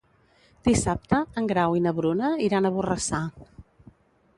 Dissabte en Grau i na Bruna iran a Borrassà.